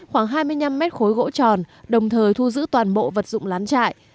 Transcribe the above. khoảng hai mươi năm mét khối gỗ tròn đồng thời thu giữ toàn bộ vật dụng lán trại